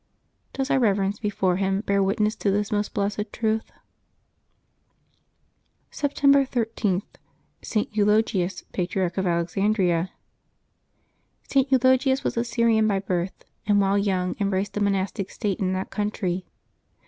Does our rerer ence before Him bear witness to this most blessed truth ? September 13.— ST. EULOGIUS, Patriarch of Alexandria. [t. Eulogius was a .Syrian by birth, and while young embraced the monastic state in that country.